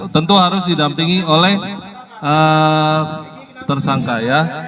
tentu harus didampingi oleh tersangka ya